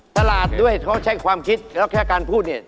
ตลาดด้วยเขาใช้ความคิดแล้วแค่การพูดเนี่ย